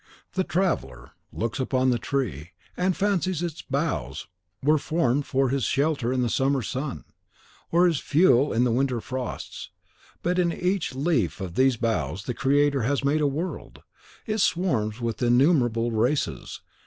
The traveller looks upon the tree, and fancies its boughs were formed for his shelter in the summer sun, or his fuel in the winter frosts. But in each leaf of these boughs the Creator has made a world; it swarms with innumerable races.